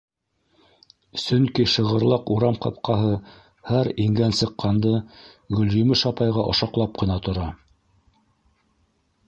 Сөнки шығырлаҡ урам ҡапҡаһы һәр ингән-сыҡҡанды Гөлйемеш апайға ошаҡлап ҡына тора.